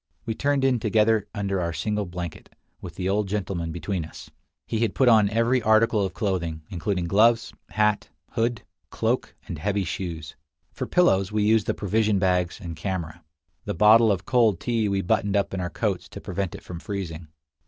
We turned in together under our single blanket, with the old gentleman between us. He had put on every article of clothing, including gloves, hat, hood, cloak, and heavy shoes. 64 Across Asia on a Bicycle For pillows we used the provision bags and camera. The bottle of cold tea we buttoned up in our coats to prevent it from freezing.